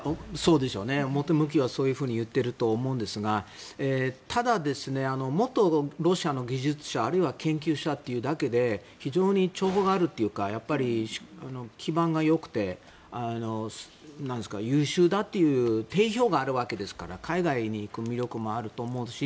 表向きはそういうふうに言っていると思うんですがただ、ロシアの元技術者あるいは研究者というだけで非常に重宝がるというか基盤がよくて優秀だという定評があるわけですから海外に行く意欲もあると思うし。